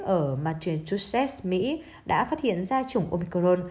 ở massachusetts mỹ đã phát hiện ra chủng omicron